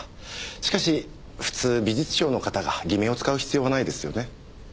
しかし普通美術商の方が偽名を使う必要はないですよね？